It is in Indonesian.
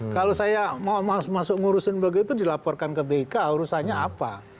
kalau saya mau masuk ngurusin begitu dilaporkan ke bk urusannya apa